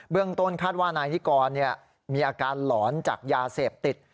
ต้นคาดว่านายนิกรมีอาการหลอนจากยาเสพติด